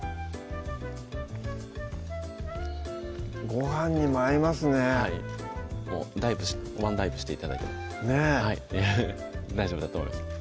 ごはんにも合いますねはいワンダイブして頂いてもねぇ大丈夫だと思います